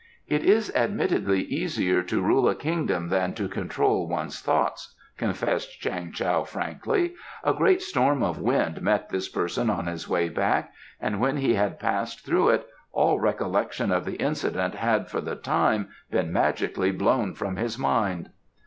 "It is admittedly easier to rule a kingdom than to control one's thoughts," confessed Chang Tao frankly. "A great storm of wind met this person on his way back, and when he had passed through it, all recollection of the incident had, for the time, been magically blown from his mind."